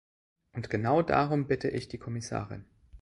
Und genau darum bitte ich die Kommissarin.